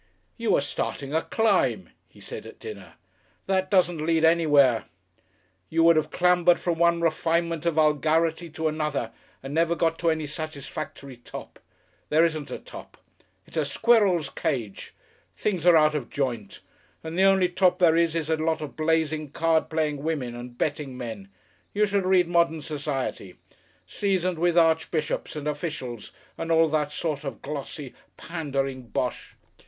"You were starting a climb," he said at dinner, "that doesn't lead anywhere. You would have clambered from one refinement of vulgarity to another and never got to any satisfactory top. There isn't a top. It's a squirrel's cage. Things are out of joint, and the only top there is is a lot of blazing card playing women and betting men you should read Modern Society seasoned with archbishops and officials and all that sort of glossy, pandering Bosh....